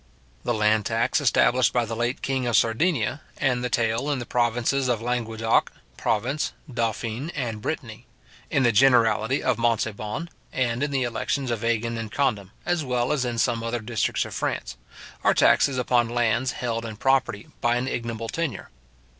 The land tax established by the late king of Sardinia, and the taille in the provinces of Languedoc, Provence, Dauphine, and Britanny; in the generality of Montauban, and in the elections of Agen and Condom, as well as in some other districts of France; are taxes upon lands held in property by an ignoble tenure.